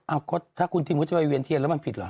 อ้าวเพราะถ้าคุณทิมจะไปเวียนเทียนแล้วมันผิดเหรอฮะ